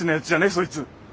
そいつ。